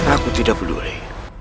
aku tidak peduli